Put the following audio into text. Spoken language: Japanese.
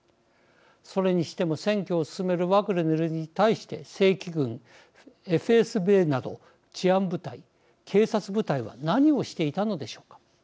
それにしても占拠を進めるワグネルに対して正規軍、ＦＳＢなど治安部隊警察部隊は何をしていたのでしょうか。